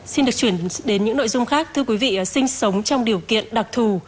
xin được chuyển đến những nội dung khác thưa quý vị sinh sống trong điều kiện đặc thù